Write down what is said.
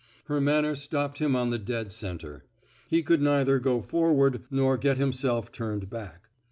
Her manner stopped him on the dead center. He could neither go forward nor get himself turned back.